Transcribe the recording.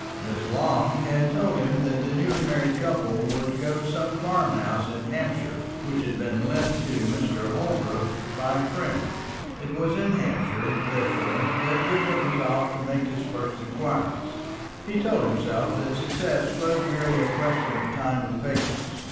Miss Long had told him that the newly married couple were to go to some farm house in Hampshire which had been lent to Mr. Holbrook by a friend. It was in Hampshire, therefore, that Gilbert resolved to make his first inquiries. He told himself that success was merely a question of time and patience.